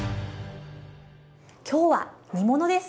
今日は煮物です。